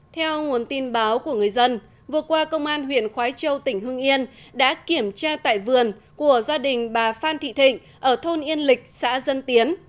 theo nguồn tin báo của người dân vừa qua công an huyện khói châu tỉnh hương yên đã kiểm tra tại vườn của gia đình bà phan thị thịnh ở thôn yên lịch xã dân tiến